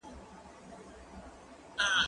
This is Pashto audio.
کېدای سي اوبه سړې وي؟